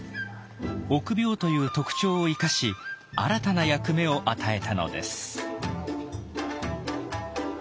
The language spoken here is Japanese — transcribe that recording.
臆病という特徴を生かし新たな役目を与えたのです。